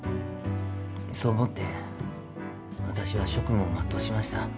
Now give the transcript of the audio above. そう思って私は職務を全うしました。